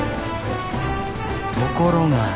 ところが。